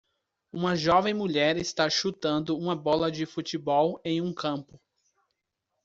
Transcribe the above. Uma jovem mulher está chutando uma bola de futebol em um campo.